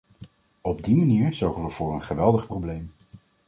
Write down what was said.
Op die manier zorgen we voor een geweldig probleem.